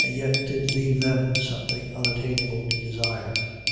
yet did leave them something un attainable to desire.